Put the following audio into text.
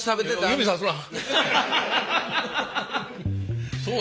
指さすな。